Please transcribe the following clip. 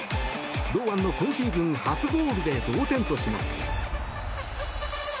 堂安の今シーズン初ゴールで同点。